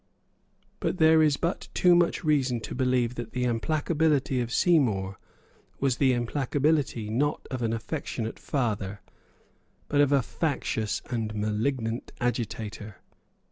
But there is but too much reason to believe that the implacability of Seymour was the implacability, not of an affectionate father, but of a factious and malignant agitator.